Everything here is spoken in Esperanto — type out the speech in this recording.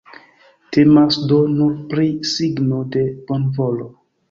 Temas do nur pri signo de bonvolo.